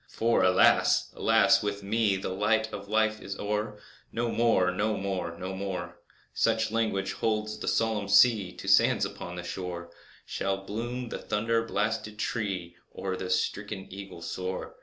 For, alas! alas! with me The light of Life is o'er! No more—no more—no more— (Such language holds the solemn sea To the sands upon the shore) Shall bloom the thunder blasted tree, Or the stricken eagle soar!